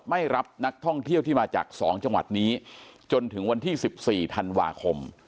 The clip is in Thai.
ไม่รับนักท่องเที่ยวที่มาจาก๒จังหวัดนี้จนถึงวันที่๑๔ธันวาคม